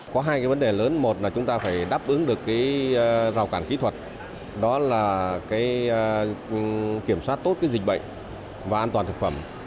có hai cái vấn đề lớn một là chúng ta phải đáp ứng được rào cản kỹ thuật đó là kiểm soát tốt dịch bệnh và an toàn thực phẩm